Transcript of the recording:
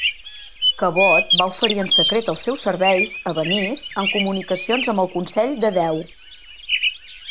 Cabot va oferir en secret els seus serveis a Venice en comunicacions amb el Consell de Deu.